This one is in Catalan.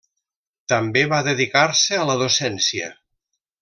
També va dedicar-se a la docència.